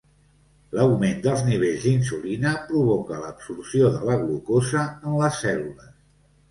L'augment dels nivells d'insulina provoca l'absorció de la glucosa en les cèl·lules.